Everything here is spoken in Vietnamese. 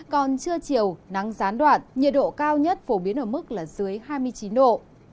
còn trưa chiều nắng gián đoạn nhiệt độ cao nhất phổ biến ở mức là dưới hai mươi chín độ